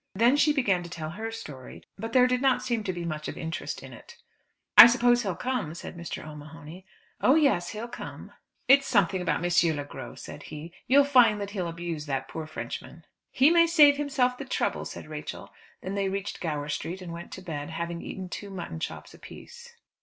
Then she began to tell her story, but there did not seem to be much of interest in it. "I suppose he'll come?" said Mr. O'Mahony. "Oh, yes, he'll come." "It's something about M. Le Gros," said he. "You'll find that he'll abuse that poor Frenchman." "He may save himself the trouble," said Rachel. Then they reached Gower Street, and went to bed, having eaten two mutton chops apiece.